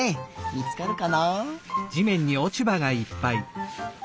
みつかるかな。